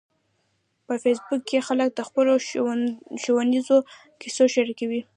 په فېسبوک کې خلک د خپلو ښوونیزو کیسو شریکوي